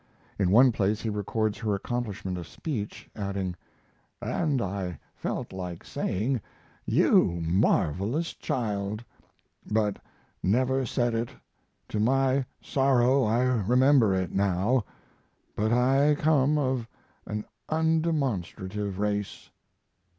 In one place he records her accomplishment of speech, adding: "And I felt like saying 'you marvelous child,' but never said it; to my sorrow I remember it now. But I come of an undemonstrative race."